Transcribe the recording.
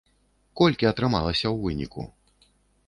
Колькі атрымалася ў выніку?